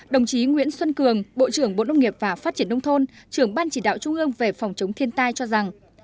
đồng chí nguyễn xuân cường bộ trưởng bộ nông nghiệp và phát triển nông thôn trưởng ban chỉ đạo trung ương về phòng chống thiên tai cho rằng